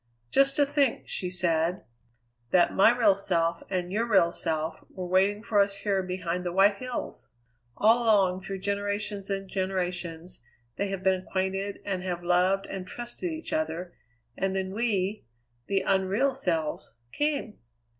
"Just to think," she said, "that my real self and your real self were waiting for us here behind the white hills! All along, through generations and generations, they have been acquainted and have loved and trusted each other, and then we, the unreal selves, came!